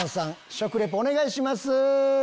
食リポお願いします。